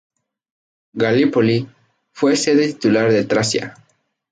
Galípoli fue sede titular de Tracia.